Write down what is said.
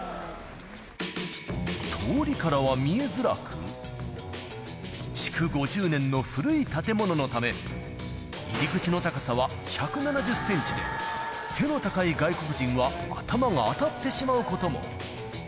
通りからは見えづらく、築５０年の古い建物のため、入り口の高さは１７０センチで、背の高い外国人は頭が当たってしまうことも。